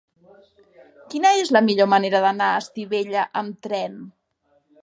Quina és la millor manera d'anar a Estivella amb tren?